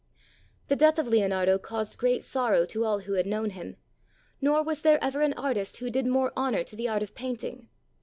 ... The death of Leonardo caused great sorrow to all who had known him, nor was there ever an artist who did more honor to the art of painting.